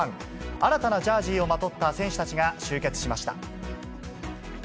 新たなジャージをまとった選手たちが集結しました。